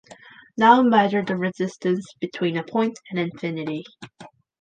Now measure the "resistance between a point and infinity".